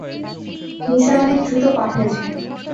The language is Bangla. নিসার আলি দ্রুত পা ফেলছেন।